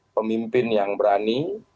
pemimpin yang berani